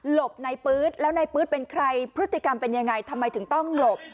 บในปื๊ดแล้วในปื๊ดเป็นใครพฤติกรรมเป็นยังไงทำไมถึงต้องหลบ